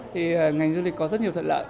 thì ngành du lịch có rất nhiều thuật lợi